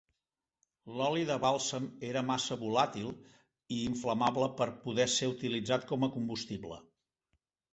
L'oli de bàlsam era massa volàtil i inflamable per poder ser utilitzat com a combustible.